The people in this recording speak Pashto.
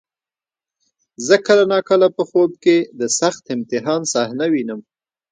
زه کله ناکله په خوب کې د سخت امتحان صحنه وینم.